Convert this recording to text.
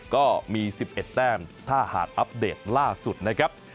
ก็มี๑๑แต้มถ้าหากอัปเดตล่าสุดนะครับ